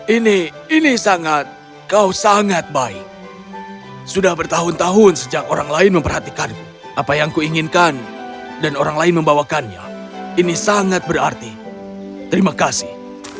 ini ini sangat kau sangat baik sudah bertahun tahun sejak orang lain memperhatikanku apa yang kuinginkan dan orang lain membawakannya ini sangat berarti terima kasih